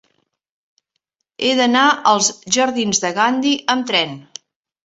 He d'anar als jardins de Gandhi amb tren.